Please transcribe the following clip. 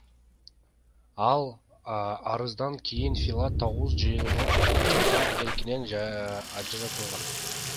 Ал арыздан кийин Филат тогуз жылга эркинен ажыратылган.